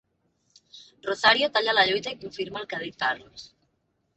Rosario talla la lluita, i confirma el que ha dit Carlos.